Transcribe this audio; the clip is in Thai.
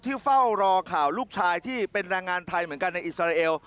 เฝ้ารอข่าวลูกชายที่เป็นแรงงานไทยเหมือนกันในอิสราเอล